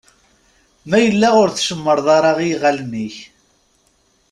Ma yella ur tcemreḍ ara i yiɣalen-ik.